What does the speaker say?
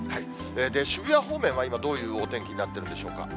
渋谷方面は今、どういうお天気になってるんでしょうか。